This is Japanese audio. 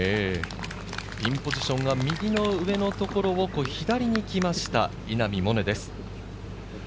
ピンポジションが右の上のところを左にきました、稲見萌寧です。